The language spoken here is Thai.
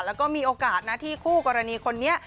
แล้วก็มีโอกาสนะที่คู่กรณีคนนี้